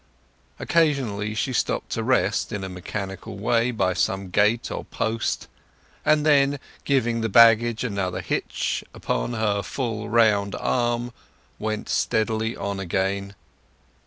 Occasionally she stopped to rest in a mechanical way by some gate or post; and then, giving the baggage another hitch upon her full round arm, went steadily on again.